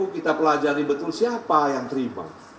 kita pelajari betul siapa yang terima